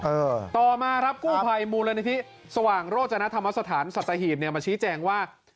เออต่อมาครับกู้ภัยมูลนิธิสว่างโรจนธรรมสถานสัตหีบเนี่ยมาชี้แจงว่า